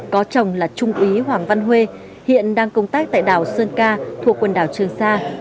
có chồng là trung úy hoàng văn huê hiện đang công tác tại đảo sơn ca thuộc quần đảo trường sa